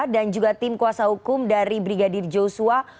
dan juga tim kuasa hukum dari brigadir joshua